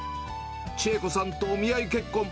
千恵子さんとお見合い結婚。